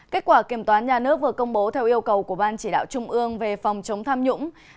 kết quả kiểm toán nhà nước vừa công bố theo yêu cầu của ban chỉ đạo trung ương về phòng chống tham nhũng